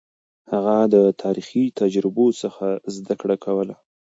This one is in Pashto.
هغه د تاريخي تجربو څخه زده کړه کوله.